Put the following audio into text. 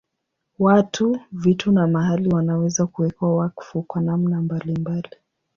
Watu, vitu na mahali wanaweza kuwekwa wakfu kwa namna mbalimbali.